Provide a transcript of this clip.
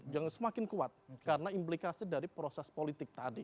yang semakin kuat karena implikasi dari proses politik tadi